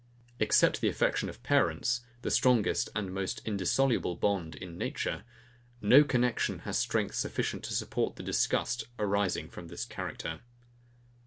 Except the affection of parents, the strongest and most indissoluble bond in nature, no connexion has strength sufficient to support the disgust arising from this character.